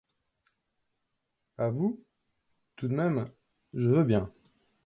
A vous, tout de même, je veux bien.